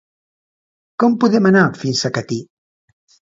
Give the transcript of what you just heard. Com podem anar fins a Catí?